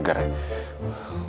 gak ada barangnya